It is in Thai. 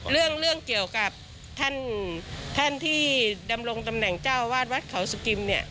เรื่องเกี่ยวกับท่านที่ดำลงตำแหน่งเจ้าอาวาสวัดเขาศุกริม